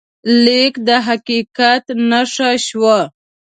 لیک د حقیقت نښه شوه.